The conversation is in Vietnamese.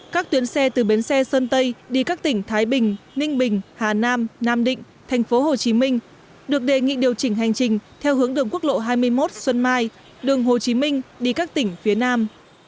các tuyến xe từ bến xe sơn tây đi các tỉnh thái bình ninh bình hà nam nam định tp hcm được đề nghị điều chỉnh hành trình theo hướng đường quốc lộ hai mươi một xuân mai đường hồ chí minh đi các tỉnh phía nam